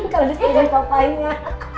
kalo disuruh papainya